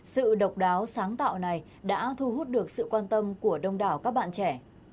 sự độc đáo sáng tạo này đã thu hút được sự quan tâm của đông đảo các bạn trẻ